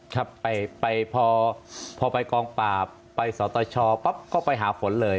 ครับพอไปกองปราบไปสตชปั๊บก็ไปหาฝนเลย